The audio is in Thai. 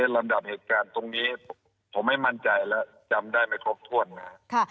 ลำดับเหตุการณ์ตรงนี้ผมไม่มั่นใจและจำได้ไม่ครบถ้วนนะครับ